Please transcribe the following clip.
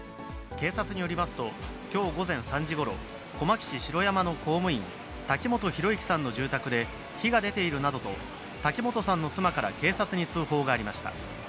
警察によりますと、きょう午前３時ごろ、小牧市城山の公務員、滝本裕之さんの住宅で、火が出ているなどと、滝本さんの妻から警察に通報がありました。